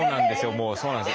もうそうなんです。